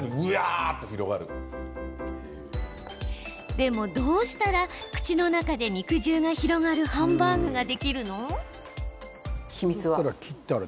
でも、どうしたら口の中で肉汁が広がるハンバーグができるの？